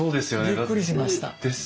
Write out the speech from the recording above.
びっくりしました。